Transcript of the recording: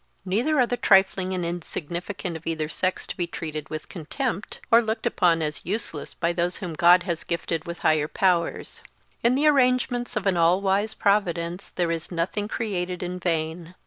Neither are the trifling and insignificant of either sex to be treated with contempt, or looked upon as useless by those whom God has gifted with higher powers. In the arrangements of an all wise Providence there is nothing created in vain.